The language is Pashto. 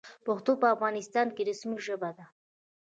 پښتو په افغانستان کې رسمي ژبه ده.